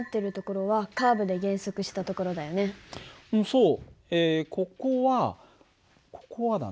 そう。